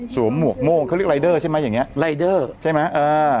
หมวกโม่งเขาเรียกรายเดอร์ใช่ไหมอย่างเงี้รายเดอร์ใช่ไหมเออ